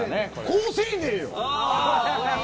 好青年よ。